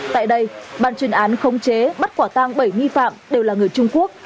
tại đây bàn chuyên án khống chế bắt quả tang bảy nghi phạm đều là người trung quốc